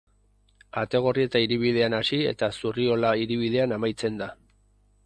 Ategorrieta hiribidean hasi eta Zurriola hiribidean amaitzen da.